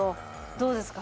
どうですか？